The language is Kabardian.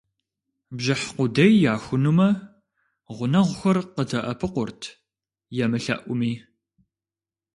Бжыхь къудей яхунумэ, гъунэгъухэр къыдэӀэпыкъурт, емылъэӀуми.